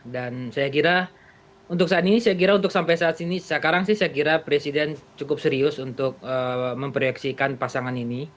dan saya kira untuk saat ini saya kira untuk sampai saat ini sekarang sih saya kira presiden cukup serius untuk memperyaksikan pasangan ini